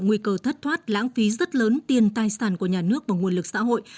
nguy cơ thất thoát lãng phí rất lớn tiền tài sản của nhà nước và nguồn lực xã hội